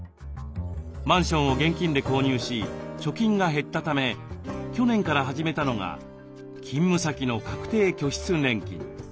マンションを現金で購入し貯金が減ったため去年から始めたのが勤務先の確定拠出年金。